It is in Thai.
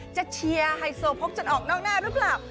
เชียร์ไฮโซพกจนออกนอกหน้าหรือเปล่า